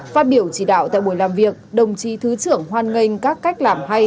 phát biểu chỉ đạo tại buổi làm việc đồng chí thứ trưởng hoan nghênh các cách làm hay